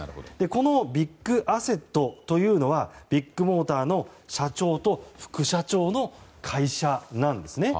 このビッグアセットというのはビッグモーターの社長と副社長の会社なんですね。